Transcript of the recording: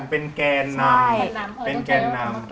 เป็นแกนน้ำ